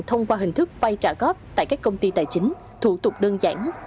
thông qua hình thức vay trả góp tại các công ty tài chính thủ tục đơn giản